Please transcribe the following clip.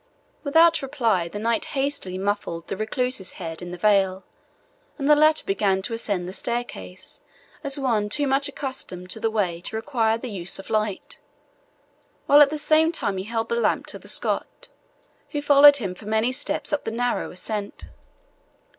Without reply, the knight hastily muffled the recluse's head in the veil, and the latter began to ascend the staircase as one too much accustomed to the way to require the use of light, while at the same time he held the lamp to the Scot, who followed him for many steps up the narrow ascent.